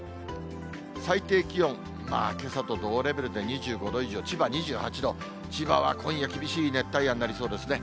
最低気温、まあ、けさと同レベルで、２５度以上、千葉２８度、千葉は今夜厳しい熱帯夜になりそうですね。